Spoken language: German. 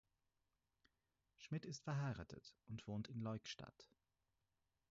Schmidt ist verheiratet und wohnt in Leuk-Stadt.